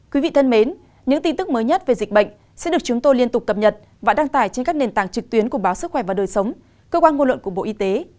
quý vị thân mến những tin tức mới nhất về dịch bệnh sẽ được chúng tôi liên tục cập nhật và đăng tải trên các nền tảng trực tuyến của báo sức khỏe và đời sống cơ quan ngôn luận của bộ y tế